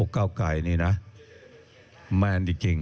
ก้าวไก่นี่นะแมนจริง